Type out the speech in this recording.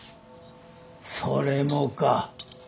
それもか。